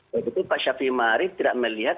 begitu pak syafiq mahrif tidak melihat